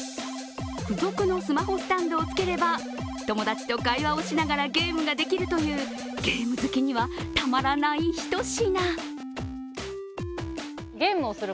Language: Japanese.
付属のスマホスタンドをつければ友達と会話をしながらゲームができるというゲーム好きにはたまらないひと品。